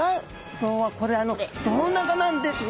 今日はこれあの胴長なんですね。